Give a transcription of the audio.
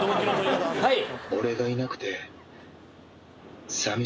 はい！